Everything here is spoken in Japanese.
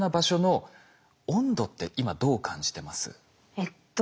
えっと。